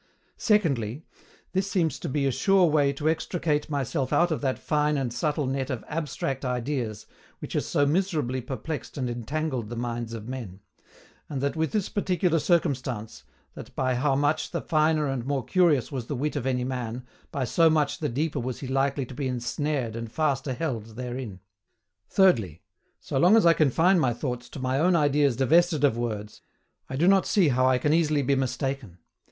SECONDLY, this seems to be a sure way to extricate myself out of that fine and subtle net of ABSTRACT IDEAS which has so miserably perplexed and entangled the minds of men; and that with this peculiar circumstance, that by how much the finer and more curious was the wit of any man, by so much the deeper was he likely to be ensnared and faster held therein. THIRDLY, so long as I confine my thoughts to my own ideas divested of words, I do not see how I can easily be mistaken.